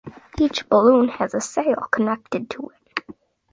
Each balloon has a sail connected to it.